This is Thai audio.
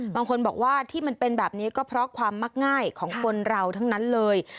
บางคนบอกว่าที่มันเป็นแบบนี้ก็เพราะความมักง่ายของคนเราทั้งนั้นเลย